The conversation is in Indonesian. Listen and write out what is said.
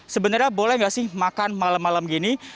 sebenarnya boleh nggak sih makan malam malam gini